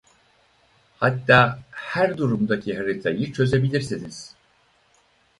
Hatta her durumdaki haritayı çözebilirsiniz.